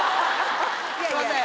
すいません。